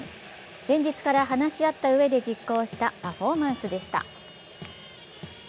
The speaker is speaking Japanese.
前日から話し合ったうえで実行したパフォーマンスでした。